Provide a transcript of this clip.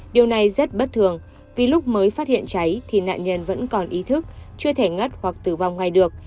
điều này rất bất thường vì lúc mới phát hiện cháy thì nạn nhân vẫn còn ý thức chưa thể ngất hoặc tử vong ngay được